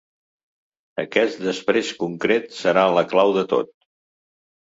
Aquest després concret serà la clau de tot.